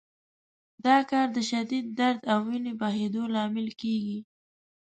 دا کار د شدید درد او وینې بهېدو لامل کېږي.